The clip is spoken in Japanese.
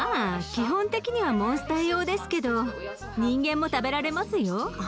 基本的にはモンスター用ですけど人間も食べられますよ。